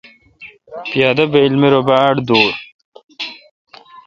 پادہ بایل می رو باڑ دور۔